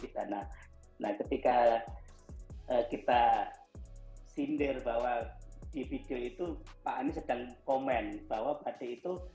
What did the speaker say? mati matikan nah nah ketika kita sindir bahwa di video itu pak ani sedang komen bahwa pasti itu